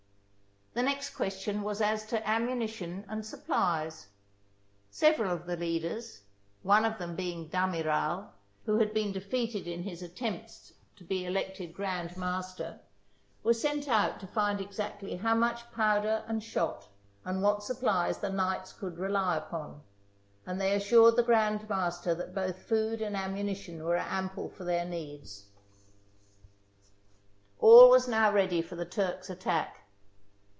The next question was as to ammunition and supplies. Sev eral of the leaders, one of them being D'Amiral, who had been defeated in his attempts to be elected Grand Master, were sent to find out exactly how much powder and shot and what supplies the knights could rely upon, and they assured the Grand Master that both food and ammunition were ample for their needs. THE SIEGE OF RHODES All was now ready for the Turks' attack.